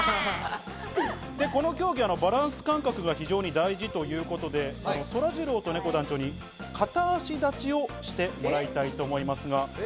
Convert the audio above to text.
この競技はバランス感覚が大事ということで、そらジローとねこ団長に片脚立ちをしてみてもらいたいと思います。